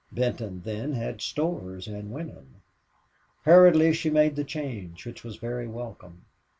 Benton, then, had stores and women. Hurriedly she made the change, which was very welcome.